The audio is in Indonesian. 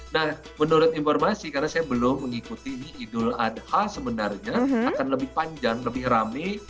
nah menurut informasi karena saya belum mengikuti ini idul adha sebenarnya akan lebih panjang lebih rame